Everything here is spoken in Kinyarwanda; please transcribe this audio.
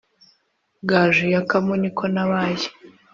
Gaju y'akamu ni ko nabaye